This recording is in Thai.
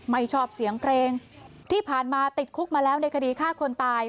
ไม่ชอบเสียงเพลงที่ผ่านมาติดคุกมาแล้วในคดีฆ่าคนตาย